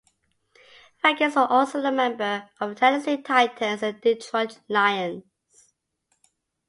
Faggins was also a member of the Tennessee Titans and Detroit Lions.